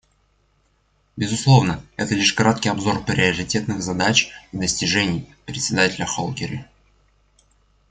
Безусловно, это лишь краткий обзор приоритетных задач и достижений Председателя Холкери.